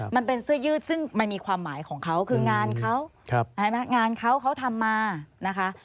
มันเป็นเสื้อยืดซึ่งมันมีความหมายของเขาคืองานเขางานเขาเขาทำมานะคะ